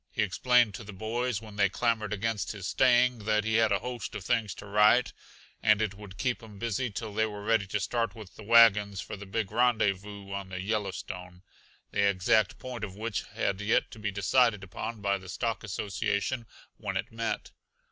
He explained to the boys, when they clamored against his staying, that he had a host of things to write, and it would keep him busy till they were ready to start with the wagons for the big rendezvous on the Yellowstone, the exact point of which had yet to be decided upon by the Stock Association when it met.